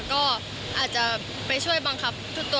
ก็อาจจะไปช่วยบังคับทุกตัวบุคคลด้วย